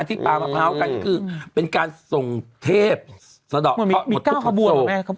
มาที่ปลาพร้าวกันก็คือเป็นการส่งเทศสะดอกเคาะมีก้าวขบวนเหรอแม่